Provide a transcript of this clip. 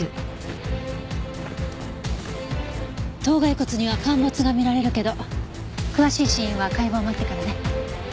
頭蓋骨には陥没が見られるけど詳しい死因は解剖を待ってからね。